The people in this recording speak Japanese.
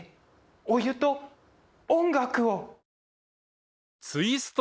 お湯と音楽を。